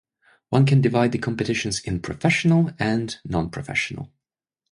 One can divide the competitions in professional and non-professional.